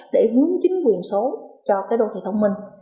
để hướng chính quyền số cho cái đô thị thông minh